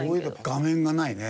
画面がないね。